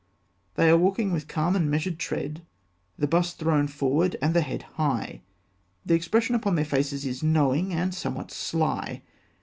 They are walking with calm and measured tread, the bust thrown forward, and the head high. The expression upon their faces is knowing, and somewhat sly.